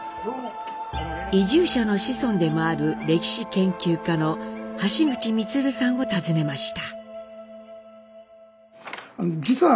移住者の子孫でもある歴史研究家の橋口満さんを訪ねました。